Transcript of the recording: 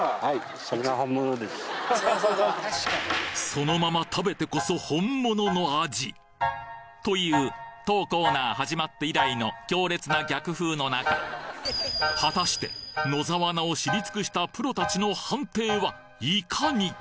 そのまま食べてこそ本物の味！という当コーナー始まって以来の強烈な逆風の中果たして野沢菜を知り尽くしたプロ達の判定はいかに！？